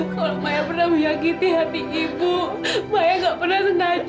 kalau maya pernah menyakiti hati ibu maya enggak pernah sengaja kok bu